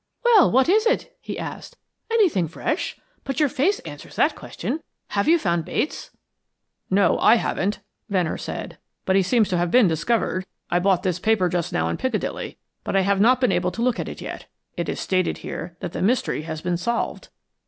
"Well, what is it?" he asked. "Anything fresh? But your face answers that question. Have you found Bates?" "No, I haven't," Venner said; "but he seems to have been discovered. I bought this paper just now in Piccadilly, but I have not been able to look at it yet. It is stated here that the mystery has been solved."